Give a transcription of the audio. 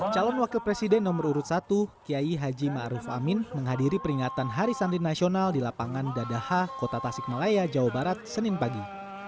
calon wakil presiden nomor urut satu kiai haji ⁇ maruf ⁇ amin menghadiri peringatan hari santri nasional di lapangan dadaha kota tasik malaya jawa barat senin pagi